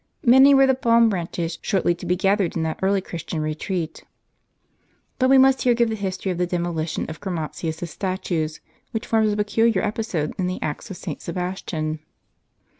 Many were the palm branches shortly to be gathered in that early Christian retreat. But we must here give the history of the demolition of Chromatius's statues, which forms a peculiar episode in the "Acts of St. Sebastian."